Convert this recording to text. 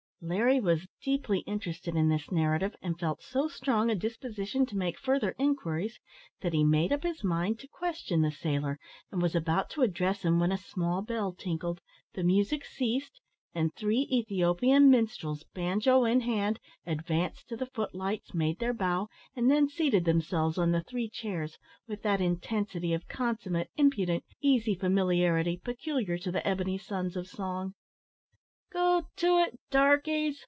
Larry was deeply interested in this narrative, and felt so strong a disposition to make further inquiries, that he made up his mind to question the sailor, and was about to address him when a small bell tinkled, the music ceased, and three Ethiopian minstrels, banjo in hand, advanced to the foot lights, made their bow, and then seated themselves on the three chairs, with that intensity of consummate, impudent, easy familiarity peculiar to the ebony sons of song. "Go it, darkies!"